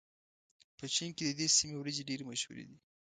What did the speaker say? په چين کې د دې سيمې وريجې ډېرې مشهورې دي.